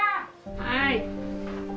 はい。